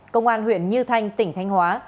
công an huyện như thanh tỉnh thanh hóa